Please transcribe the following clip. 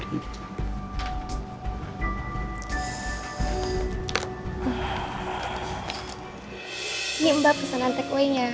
ini mbak pesanan takeaway nya